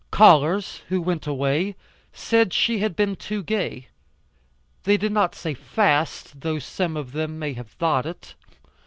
Callers, who went away, said she had been too gay they did not say "fast," though some of them may have thought it.